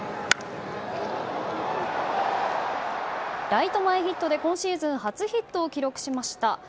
ライト前ヒットで今シーズン初ヒットを記録しました。